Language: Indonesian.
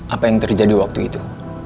apa yang terjadi waktu itu